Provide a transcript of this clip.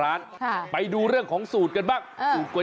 อ้าว